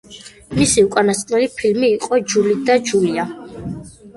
მისი უკანასკნელი ფილმი იყო „ჯული და ჯულია“.